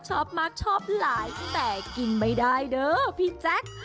ชอบมากชอบหลายแต่กินไม่ได้เด้อพี่แจ๊ค